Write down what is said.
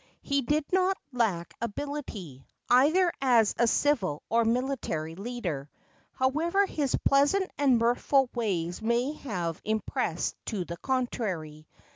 He did not lack ability, either as a civil or military leader, however his pleasant and mirthful ways may have impressed to the contrary.